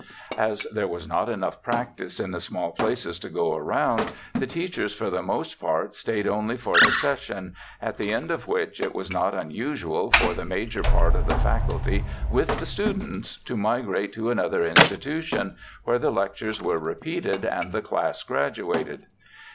As there was not enough practice in the small places to go round, the teachers for the most part stayed only for the session, at the end of which it was not unusual for the major part of the faculty, with the students, to migrate to another institu tion, where the lectures were repeated and the class graduated.